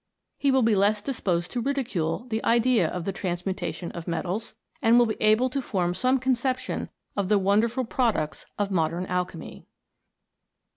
He will be less disposed to ridicule the idea of the transmutation of metals, and will be able to form some conception of the wonderful products of modern alchemy.